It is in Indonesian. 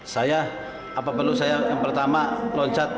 saya apa perlu saya yang pertama loncat